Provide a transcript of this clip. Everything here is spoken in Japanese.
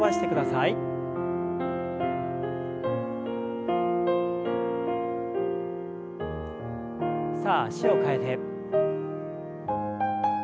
さあ脚を替えて。